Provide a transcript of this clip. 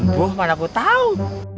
boh mana aku tahu